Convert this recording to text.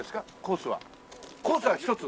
コースは１つ？